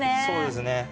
そうですね。